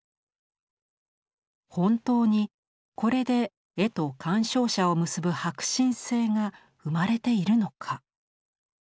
本当にこれで絵と鑑賞者を結ぶ迫真性が生まれているのか？